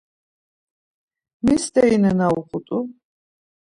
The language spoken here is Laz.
Mi steri nena uğut̆u?